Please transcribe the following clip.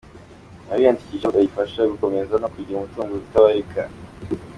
Abiyandikishaho nibo bayifasha gukomera no kugira umutungo utabarika.